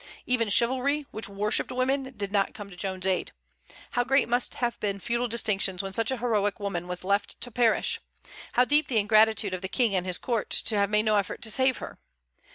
Even chivalry, which worshipped women, did not come to Joan's aid. How great must have been feudal distinctions when such a heroic woman was left to perish! How deep the ingratitude of the King and his court, to have made no effort to save her!